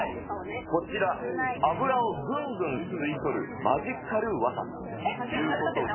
こちら、油をぐんぐん吸い取るマジカルわたということで。